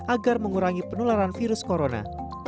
agar mengurangi penularan virus corona